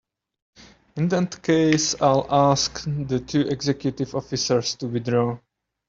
In that case I'll ask the two executive officers to withdraw.